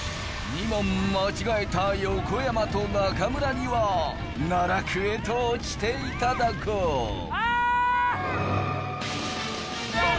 ２問間違えた横山と中村には奈落へと落ちていただこうあ！